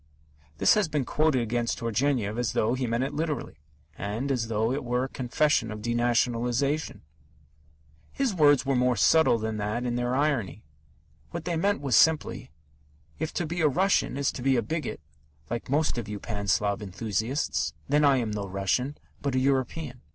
This has been quoted against Turgenev as though he meant it literally, and as though it were a confession of denationalization. His words were more subtle than that in their irony. What they meant was simply: "If to be a Russian is to be a bigot, like most of you Pan Slav enthusiasts, then I am no Russian, but a European."